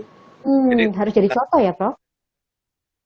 harus jadi contoh ya pak